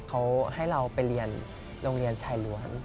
เขาให้เราไปเรียนโรงเรียนชายล้วน